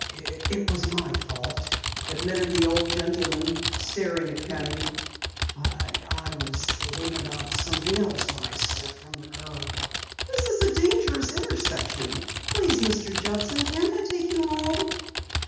"It was my fault," admitted the old gentleman, staring at Penny. "I I was thinking about something when I stepped from the curb." "This is a dangerous intersection. Please, Mr. Judson, can't I take you home?"